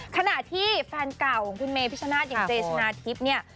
ขณะที่แฟนเก่าของคุณเมพิชนาธิอย่างเจชนะทิพย์เนี่ย